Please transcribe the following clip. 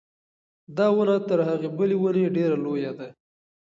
دا ونه تر هغې بلې ونې ډېره لویه ده.